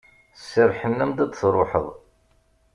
Serrḥen-am-d ad d-truḥeḍ.